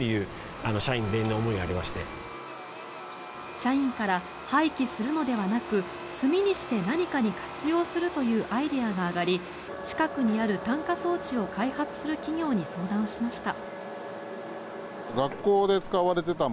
社員から廃棄するのではなく炭にして何かに活用するというアイデアが挙がり近くにある炭化装置を開発する企業に相談しました。